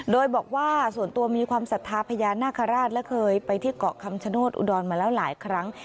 โดยบอกว่าส่วนตัวมีความศรัทธาพญานาคาราชและเคยไปที่เกาะคำชโนธอุดรมาแล้วหลายครั้ง